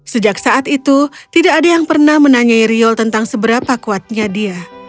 sejak saat itu tidak ada yang pernah menanyai riol tentang seberapa kuatnya dia